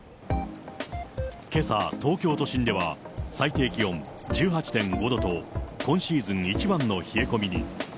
けさ、東京都心では最低気温１８．５度と、今シーズン一番の冷え込みに。